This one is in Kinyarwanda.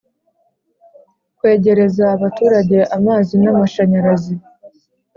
Kwegereza abaturage amazi n amashanyarazi